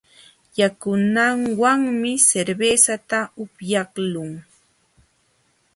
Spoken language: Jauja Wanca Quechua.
Yakunaywanmi cervezata upyaqlun.